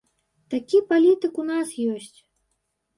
Такі палітык у нас ёсць!